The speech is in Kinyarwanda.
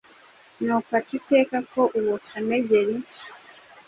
Nuko aca iteka ko uwo Kamegeri